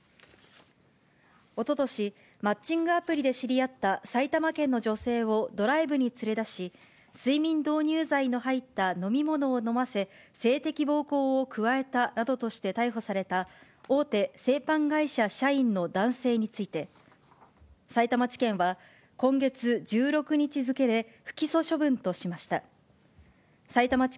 おととし、マッチングアプリで知り合った埼玉県の女性をドライブに連れ出し、睡眠導入剤の入った飲み物を飲ませ、性的暴行を加えたなどとして逮捕された、大手製パン会社社員の男性について、さいたま地検は、今月１６日付で不起訴処分としました。